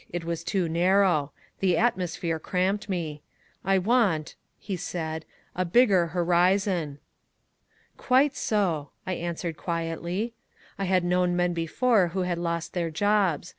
It was too narrow. The atmosphere cramped me. I want," he said, "a bigger horizon." "Quite so," I answered quietly. I had known men before who had lost their jobs.